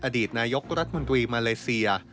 อดีตนายกรัฐมนตรีมาเลเซีย